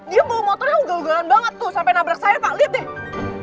dia bawa motornya ugel ugelan banget tuh sampe nabrak saya pak liat deh